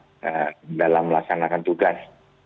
untuk melaksanakan tugas